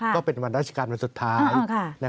ก็เป็นวันราชการวันสุดท้าย